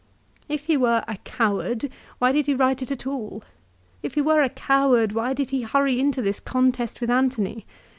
If he were a coward why did he write it at all ? If he were a coward why did he hurry into this contest with Antony